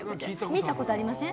見たことありません？